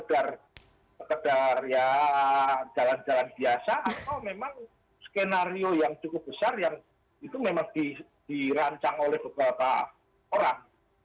sekedar ya jalan jalan biasa atau memang skenario yang cukup besar yang itu memang dirancang oleh beberapa orang